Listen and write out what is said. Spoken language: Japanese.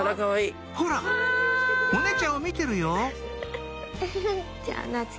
ほらお姉ちゃんを見てるよ